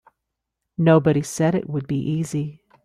Nobody said it would be easy.